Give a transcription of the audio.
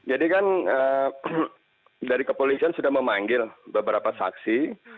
kan dari kepolisian sudah memanggil beberapa saksi